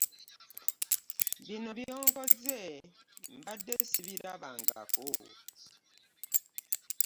Bino by'onkoze mbadde ssibirabangako.